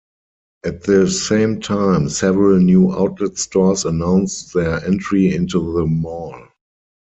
At the same time, several new outlet stores announced their entry into the mall.